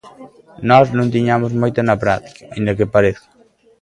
Nós non tiñamos moita na práctica, aínda que pareza.